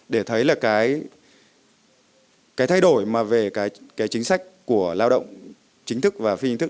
để thấy là cái thay đổi về chính sách của lao động chính thức và phi chính thức